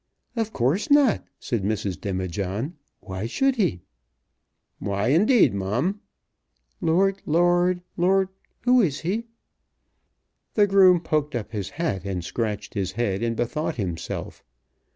"Of course not," said Mrs. Demijohn. "Why should he?" "Why, indeed, Mum?" "Lord ; Lord ; Lord who, is he?" The groom poked up his hat, and scratched his head, and bethought himself.